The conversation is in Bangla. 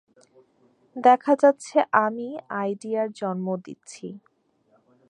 দেখা যাচ্ছে আমিই আইডিয়ার জন্ম দিচ্ছি।